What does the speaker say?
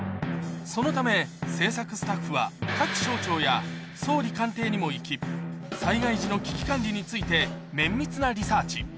そのため、制作スタッフは各省庁や総理官邸にも行き、災害時の危機管理について綿密なリサーチ。